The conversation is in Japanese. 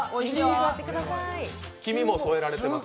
黄身も添えられています。